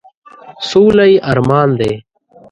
سوله یې ارمان دی ،.